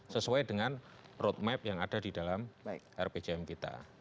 sesuai dengan roadmap yang ada di dalam rpjm kita